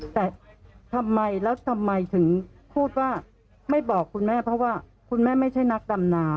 แต่ทำไมแล้วทำไมถึงพูดว่าไม่บอกคุณแม่เพราะว่าคุณแม่ไม่ใช่นักดำนา